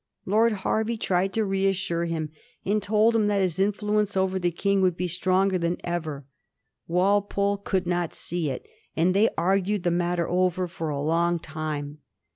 Lord Hervey tried to reas sure him, and told him that his influence over the King would be stronger than ever. Walpole could not see it, and they argued the matter over for a long time.